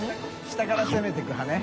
下から攻めていく派ね。